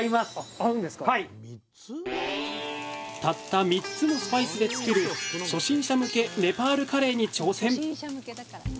たった３つのスパイスで作る初心者向けネパールカレーに挑戦！